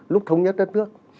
lúc thống nhất đất nước